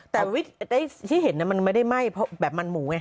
แต่วิทย์ที่เห็นน่ะมันไม่ได้ไหม้แบบมันหมูไง